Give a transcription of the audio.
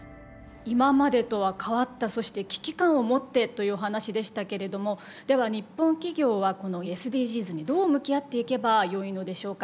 今までとは変わったそして危機感を持ってというお話でしたけれどもでは日本企業はこのＳＤＧｓにどう向き合っていけばよいのでしょうか。